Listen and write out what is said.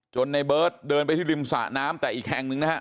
ในเบิร์ตเดินไปที่ริมสะน้ำแต่อีกแห่งหนึ่งนะฮะ